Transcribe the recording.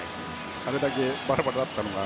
あれだけバラバラだったのが。